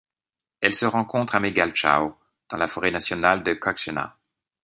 Elle se rencontre à Melgaço dans la forêt nationale de Caxiuanã.